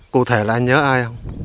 cụ thể là anh nhớ ai không